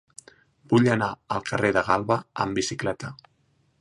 Vull anar al carrer de Galba amb bicicleta.